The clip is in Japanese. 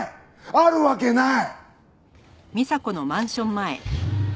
あるわけない！